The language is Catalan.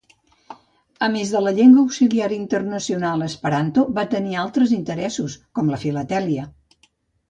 A més de la llengua auxiliar internacional esperanto, va tenir altres interessos, com la filatèlia.